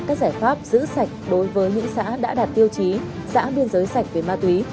các giải pháp giữ sạch đối với những xã đã đạt tiêu chí xã biên giới sạch về ma túy